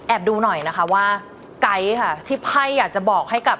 ดูหน่อยนะคะว่าไก๊ค่ะที่ไพ่อยากจะบอกให้กับ